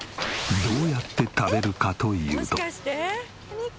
どうやって食べるかというと。